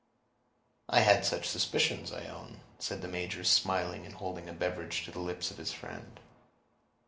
"I had such suspicions, I own," said the major, smiling, and holding a beverage to the lips of his friend.